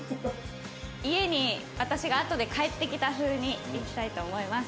家に私があとで帰ってきたふうにいきたいと思います。